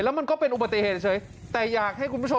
มันก็เป็นอุบัติเหตุเฉยแต่อยากให้คุณผู้ชม